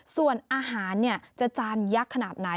ส่วนอาหารจะจานยักษ์ขนาดไหน